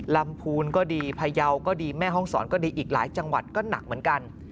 พูนก็ดีพยาวก็ดีแม่ห้องศรก็ดีอีกหลายจังหวัดก็หนักเหมือนกัน